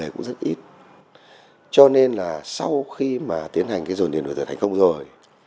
cho nên là sau khi mà tiến hành cái dồn điền nổi dật thành công rồi